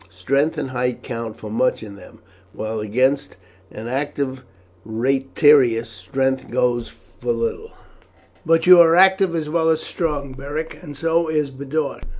Strength and height count for much in them, while against an active retiarius strength goes for very little." "But you are active as well as strong, Beric, and so is Boduoc.